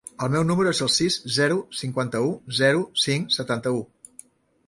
El meu número es el sis, zero, cinquanta-u, zero, cinc, setanta-u.